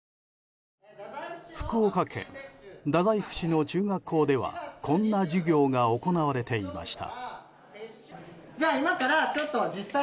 福岡県太宰府市の中学校ではこんな授業が行われていました。